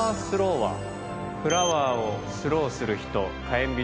フラワーをスローする人。